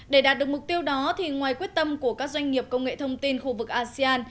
để đạt được mục tiêu đó thì ngoài quyết tâm của các doanh nghiệp công nghệ thông tin khu vực asean